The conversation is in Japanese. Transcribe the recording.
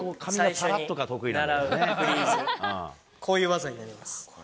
こういう技になります。